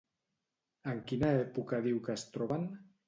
En quina època diu que es troben?